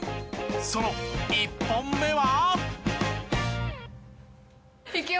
その１本目は。